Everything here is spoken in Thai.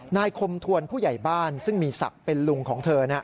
คมทวนผู้ใหญ่บ้านซึ่งมีศักดิ์เป็นลุงของเธอ